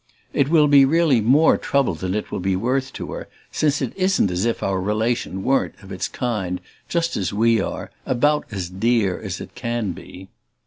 It will be really more trouble than it will be worth to her; since it isn't as if our relation weren't, of its kind, just as we are, about as "dear" as it can be.